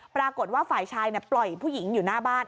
ปรากฏว่าฝ่ายชายปล่อยผู้หญิงอยู่หน้าบ้าน